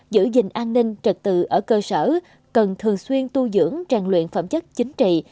giữ gìn an ninh trật tự ở cơ sở cần thường xuyên tu dưỡng trang luyện phẩm chất chính trị